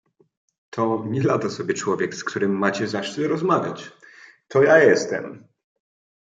"To nielada sobie człowiek, z którym macie zaszczyt rozmawiać, to ja jestem!"